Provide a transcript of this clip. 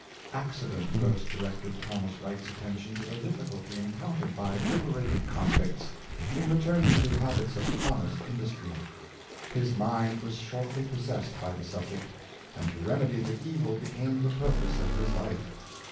Accident first directed Thomas Wright's attention to the difficulty encountered by liberated convicts in re turning to habits of honest industry. His mind was shortly possessed by the subject, and to remedy the evil became the purpose of his life.